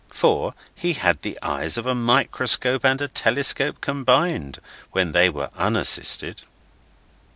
For, he had the eyes of a microscope and a telescope combined, when they were unassisted.